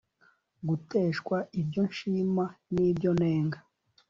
guteshwa ibyo nshima n'ibyo nennga